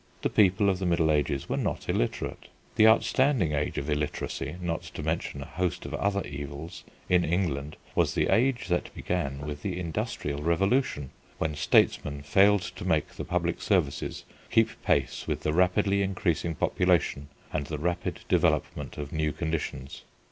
The people of the Middle Ages were not illiterate. The outstanding age of illiteracy (not to mention a host of other evils) in England was the age that began with the Industrial Revolution, when statesmen failed to make the public services keep pace with the rapidly increasing population and the rapid development of new conditions.